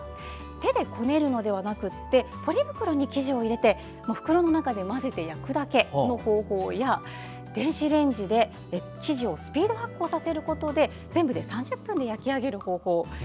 手でこねるのではなくポリ袋に生地を入れて袋の中で混ぜて焼くだけの方法や電子レンジで生地をスピード発酵させることで全部で３０分で焼き上げる方法。